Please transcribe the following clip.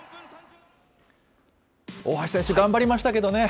大橋選手、頑張りましたけれどもね。